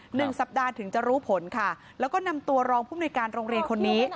หนึ่งสัปดาห์ถึงจะรู้ผลค่ะแล้วก็นำตัวรองผู้มนุยการโรงเรียนคนนี้